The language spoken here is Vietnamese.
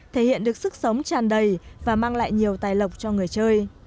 thể hiện được sức sống tràn đầy và mang lại nhiều tài lộc cho người chơi